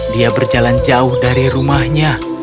dia berjalan jauh dari rumahnya